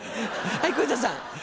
はい小遊三さん。